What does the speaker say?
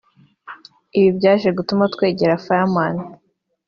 Ibi byaje gutuma twegera Fireman